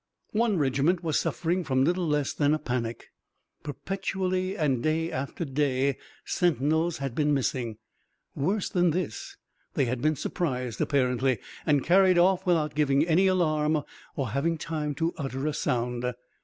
One regiment was suffering from little less than a panic. Perpetually and day after day sentinels had been missing. Worse than this, they had been surprised, apparently, and carried off without giving any alarm or having time to utter a sound.